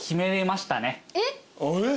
えっ？